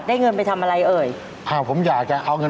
จริงครับคุณลำบากเลยประมาณนี้